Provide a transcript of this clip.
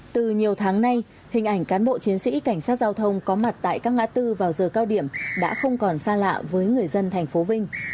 từ nhiều tháng nay hình ảnh cán bộ chiến sĩ cảnh sát giao thông có mặt tại các ngã tư vào giờ cao điểm đã không còn xa lạ với người dân thành phố vinh